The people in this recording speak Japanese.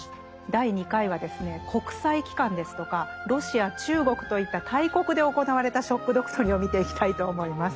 第２回はですね国際機関ですとかロシア中国といった大国で行われた「ショック・ドクトリン」を見ていきたいと思います。